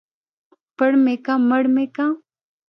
ـ پړ مى که مړ مى که.